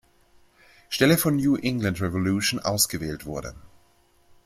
Stelle von New England Revolution ausgewählt wurde.